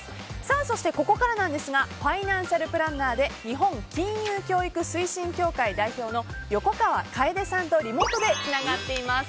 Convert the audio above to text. そして、ここからなんですがファイナンシャルプランナーで日本金融教育推進協会代表の横川楓さんとリモートでつながっています。